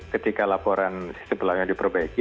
ketika laporan sistem pelaporannya diperbaiki